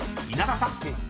稲田さん］